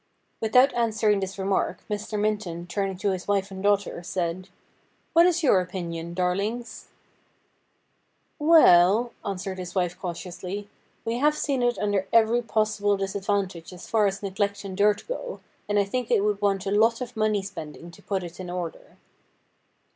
Without answering this remark, Mr. Minton, turning to his wife and daughter, said :' What is your opinion, darlings ?'' Well,' answered his wife cautiously, ' we have seen it under every possible disadvantage as far as neglect and dirt 2o8 STORIES WEIRD AND WONDERFUL go, and I think it would want a lot of money spending to put it in order.'